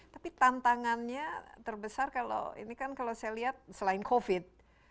tapi tantangannya terbesar kalau ini kan kalau saya lihat selain covid